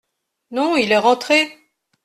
Non, il est rentré.